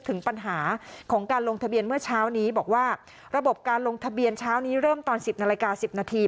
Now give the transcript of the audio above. ถึงปัญหาของการลงทะเบียนเมื่อเช้านี้บอกว่าระบบการลงทะเบียนเช้านี้เริ่มตอน๑๐นาฬิกา๑๐นาที